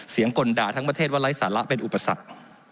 กลด่าทั้งประเทศว่าไร้สาระเป็นอุปสรรค